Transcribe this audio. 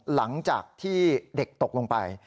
หลังจากที่เด็กตกลงไป